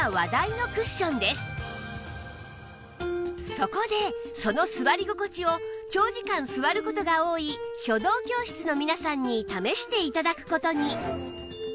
そこでその座り心地を長時間座る事が多い書道教室の皆さんに試して頂く事に